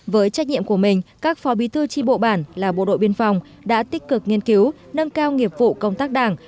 với trách nhiệm của mình các phó bí thư tri bộ bản là bộ đội biên phòng đã tích cực nghiên cứu nâng cao nghiệp vụ công tác đảng